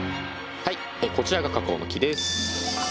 はいこちらがカカオの木です。